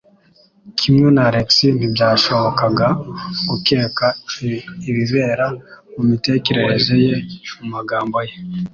Kimwe na Alex, ntibyashobokaga gukeka ibibera mumitekerereze ye mumagambo ye.